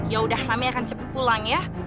ya udah mami akan cepet pulang ya